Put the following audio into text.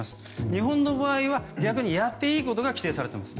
日本の場合は逆にやっていいことが規定されています。